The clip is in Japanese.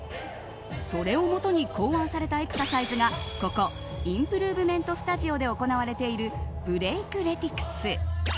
それをもとに考案されたエクササイズがここインプルーブメントスタジオで行われているブレイクレティクス。